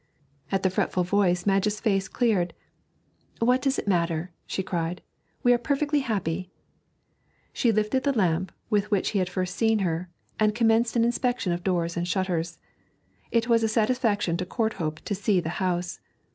At the fretful voice Madge's face cleared. 'What does it matter?' she cried. 'We are perfectly happy.' She lifted the lamp with which he had first seen her, and commenced an inspection of doors and shutters. It was a satisfaction to Courthope to see the house.